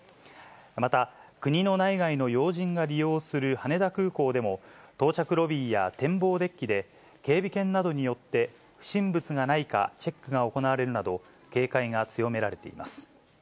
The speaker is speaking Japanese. また、国の内外の要人が利用する羽田空港でも、到着ロビーや展望デッキで、警備犬などによって、不審物がないかチェックが行われるなど、警戒が強められています。